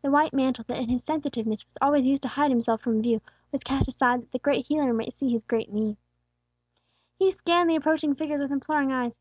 The white mantle, that in his sensitiveness was always used to hide himself from view, was cast aside, that the Great Healer might see his great need. He scanned the approaching figures with imploring eyes.